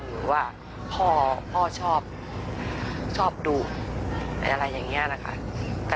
หรือว่าพ่อชอบดุอะไรอย่างนี้นะคะ